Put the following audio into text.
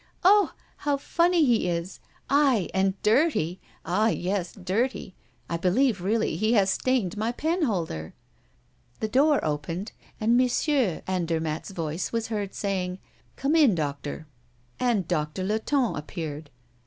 Oh! how funny he is, aye, and dirty ah, yes! dirty I believe really he has stained my penholder." The door opened, and M. Andermatt's voice was heard saying, "Come in, doctor." And Doctor Latonne appeared.